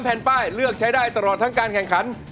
แผ่นป้ายเลือกใช้ได้ตลอดทั้งการแข่งขัน